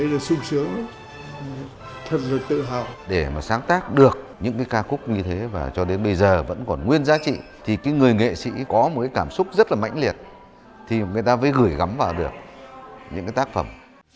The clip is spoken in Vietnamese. để mà sáng tác được những ca khúc như thế và cho đến bây giờ vẫn còn nguyên giá trị thì người nghệ sĩ có một cảm xúc rất là mạnh liệt thì người ta mới gửi gắm vào được những tác phẩm